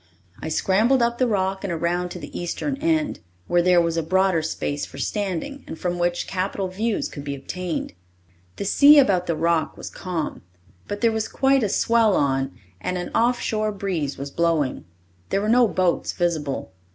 I scrambled up the rock and around to the eastern end, where there was a broader space for standing and from which some capital views could be obtained. The sea about the rock was calm, but there was quite a swell on and an off shore breeze was blowing. There were no boats visible.